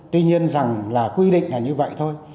tuy nhiên rằng là quy định là như vậy thôi